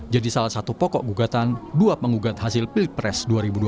jadi salah satu pokok gugatan dua penggugat hasil pilpres dua ribu dua puluh empat